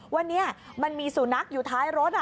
วันนี้มันมีสุนัขอยู่ท้ายรถ